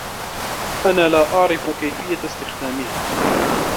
أنا لا أعرف كيفية استخدامها.